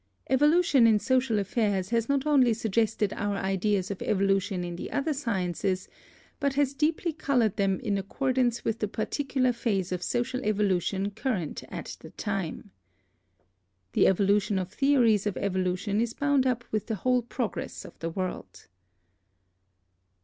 "Evolution in social affairs has not only suggested our ideas of evolution in the other sciences, but has deeply colored them in accord ance with the particular phase of social evolution cur rent at the time." The evolution of theories of evolution is bound up with the whole progress of the world.